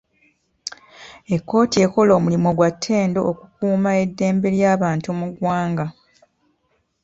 Ekkooti ekola omulimu gwa ttendo okukuuma eddembe ly'abantu mu ggwanga.